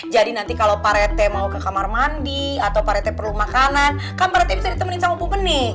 jadi nanti kalau pak rt mau ke kamar mandi atau pak rt perlu makanan kan pak rt bisa ditemenin sama bu menik